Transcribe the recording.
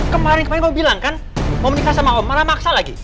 kemarin kemarin kamu bilang kan mau menikah sama om marah maksa lagi